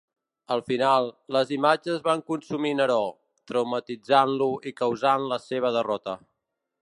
Al final, les imatges van consumir Neró, traumatitzant-lo i causant la seva derrota.